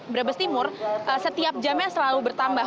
brebes timur setiap jamnya selalu bertambah